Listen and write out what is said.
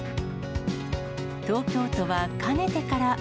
東京都はかねてから。